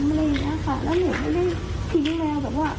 มีสิ่งที่เขาอยากจะทำอะไรอย่างเงี้ยค่ะแล้วเนี่ยเขาได้ทิ้งแมวแบบว่า